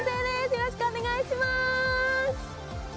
よろしくお願いします！